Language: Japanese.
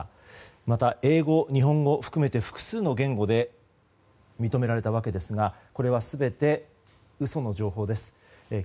また英語、日本語含めて複数の言語で認められたわけですがこれは全て嘘の情報です。